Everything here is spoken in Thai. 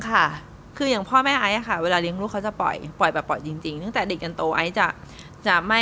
หรือถ้าไม่มีตัวมาบอกว่า